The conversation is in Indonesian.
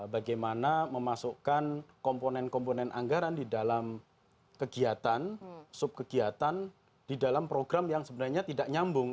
bagaimana memasukkan komponen komponen anggaran di dalam kegiatan subkegiatan di dalam program yang sebenarnya tidak nyambung